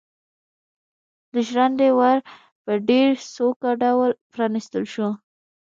د ژرندې ور په ډېر سوکه ډول پرانيستل شو.